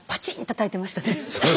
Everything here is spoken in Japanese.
たたいてましたね。